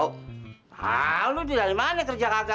kau tau lu dari mana kerja kakak